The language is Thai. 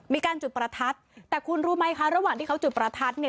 มีการจุดประทัดแต่คุณรู้ไหมคะระหว่างที่เขาจุดประทัดเนี่ย